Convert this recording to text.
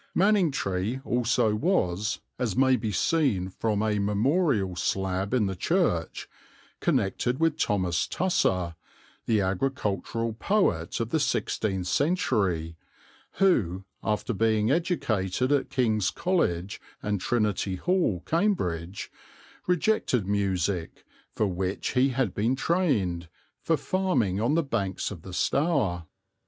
Manningtree also was, as may be seen from a memorial slab in the church, connected with Thomas Tusser, the agricultural poet of the sixteenth century, who, after being educated at King's College and Trinity Hall, Cambridge, rejected music, for which he had been trained, for farming on the banks of the Stour.